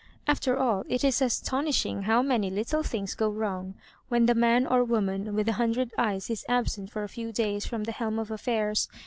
After all, it is astonishing how many little things go wrong when the man or woman with a hun dred eyes is absent for a few days from the helm of affairs.